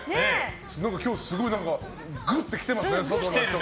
今日すごい、ぐって来てますね。